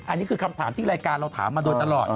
อันนี้คือคำถามที่รายการเราถามมาโดยตลอด